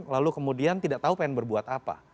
lalu kemudian tidak tahu pengen berbuat apa